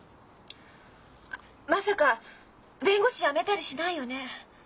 まさか弁護士辞めたりしないよね？